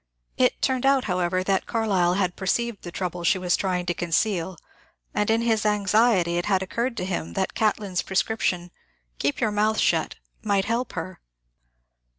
It turned out, however, that FROUDE'S MISTAKE 215 Carlyle had perceived the trouble she was tiying to con ceal, and in his anxiety it had occurred to him that Catlin's prescription, ^'Keep your mouth shut!" might help her.